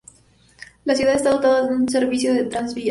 La ciudad está dotada de un servicio de tranvías.